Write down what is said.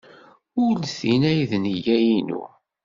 Ur d tin ay d nneyya-inu.